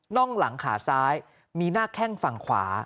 ่องหลังขาซ้ายมีหน้าแข้งฝั่งขวา